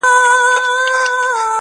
دا سودا مي ومنه که ښه کوې,